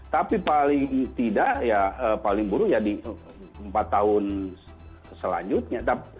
tapi paling tidak ya paling buruk ya di empat tahun selanjutnya